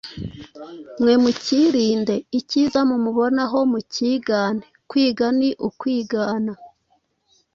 mwe mukirinde, ikiza mumubonaho mukigane. Kwiga ni ukwigana.